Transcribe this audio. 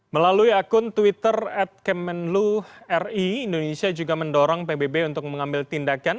melalui akun twitter at kemenlu ri indonesia juga mendorong pbb untuk mengambil tindakan